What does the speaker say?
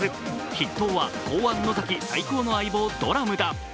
筆頭は、公安・野崎、最高の相棒、ドラムだ。